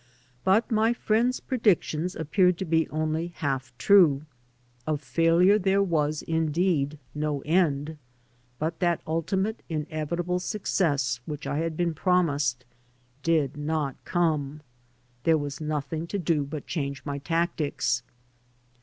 But my friends' predictions appeared to be only half true. Of failiu*e there was, indeed, no end, but that ultimate inevitable success which I had been promised did not come. There was nothing to do but change my tactics.